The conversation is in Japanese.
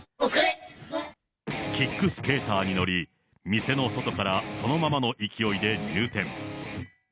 キックスケーターに乗り、店の外からそのままの勢いで入店。